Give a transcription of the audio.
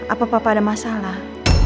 apa papa ada masalah